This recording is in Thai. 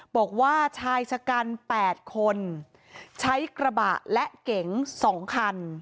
บอกว่าชายชะกัน๘คนใช้กระบะและเก๋ง๒คัน